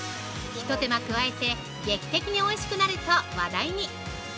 一手間加えて劇的においしくなると話題に！